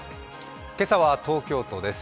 今朝は東京都です。